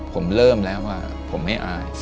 ผมเริ่มแล้วว่าผมไม่อาย